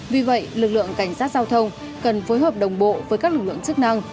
vì vậy lực lượng cảnh sát giao thông cần phối hợp đồng bộ với các lực lượng chức năng